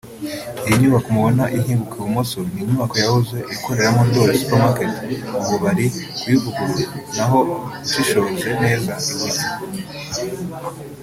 Iyi nyubako mubona ihinguka ibumoso ni inyubako yahoze ikoreramo Ndoli Supermaket (ubu bari kuyivugurura); naho ushishoje neza iburyo